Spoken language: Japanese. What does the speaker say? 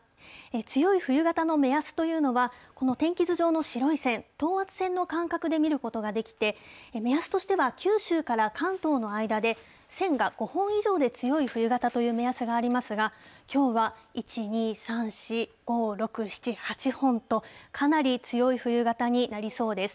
強い冬型の目安というのは、この天気図上の白い線、等圧線の間隔で見ることができて、目安としては、九州から関東の間で、線が５本以上で強い冬型という目安がありますが、きょうは１、２、３、４、５、６、７、８本と、かなり強い冬型になりそうです。